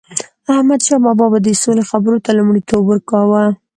احمدشاه بابا به د سولي خبرو ته لومړیتوب ورکاوه.